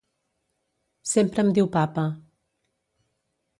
Sempre em diu papa.